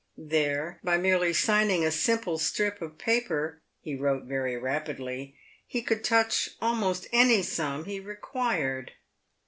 There, by merely signing a simple strip of paper — he wrote very rapidly — he could touch almost any sum he required.